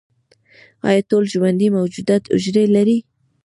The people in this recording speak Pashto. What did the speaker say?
ایا ټول ژوندي موجودات حجرې لري؟